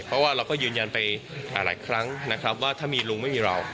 เพราะว่าเราก็ยืนยันไปหลายครั้งนะครับว่าถ้ามีลุงไม่มีเรา